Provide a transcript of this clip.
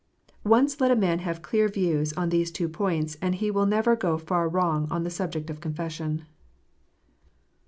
Once let a man have clear views on these two points, and he will never go far wrong on the subject of confession.